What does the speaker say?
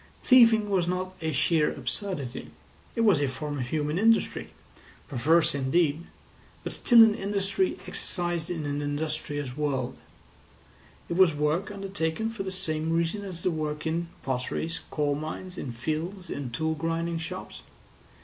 Thieving was not a sheer absurdity. It was a form of human industry, perverse indeed, but still an industry exercised in an industrious world; it was work undertaken for the same reason as the work in potteries, in coal mines, in fields, in tool grinding shops.